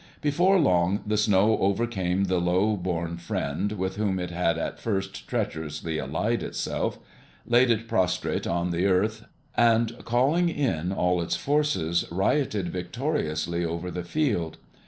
Before long the snow overcame the low born friend with whom it had at first treacherously allied itself, laid it prostrate on the earth, and calling in all its forces rioted victoriously over the field.